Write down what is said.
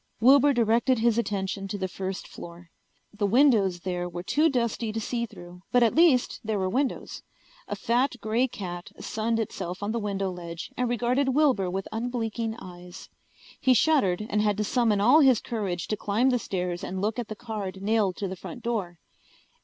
Wilbur directed his attention to the first floor. The windows there were too dusty to see through, but at least there were windows. A fat grey cat sunned itself on the window ledge and regarded Wilbur with unblinking eyes. He shuddered and had to summon all his courage to climb the stairs and look at the card nailed to the front door.